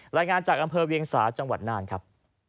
รายงานจากอำเภอเวียงสาจังหวัดน่านครับ